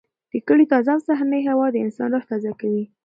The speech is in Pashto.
د کلي تازه او سهارنۍ هوا د انسان روح تازه کوي.